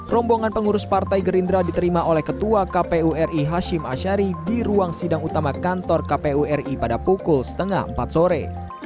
rombongan pengurus partai gerindra diterima oleh ketua kpu ri hashim ashari di ruang sidang utama kantor kpu ri pada pukul setengah empat sore